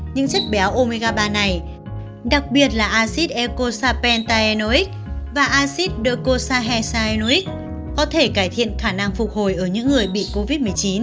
những chất béo omega ba này đặc biệt là acid eicosapentaenoic và acid docosahexaenoic có thể cải thiện khả năng phục hồi ở những người bị covid một mươi chín